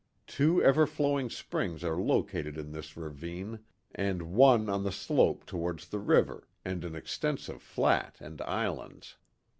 Two ever flowing springs are located in this ravine and one on the slope towards the river, and an ex tensive flat and islands.